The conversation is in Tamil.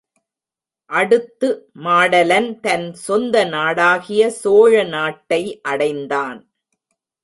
அடுத்து மாடலன் தன் சொந்த நாடாகிய சோழ நாட்டை அடைந்தான்.